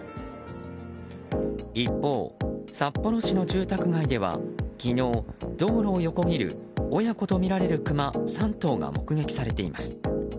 一方、札幌市の住宅街では昨日、道路を横切る親子とみられるクマ３頭が目撃されています。